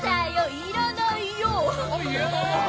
要らないよ！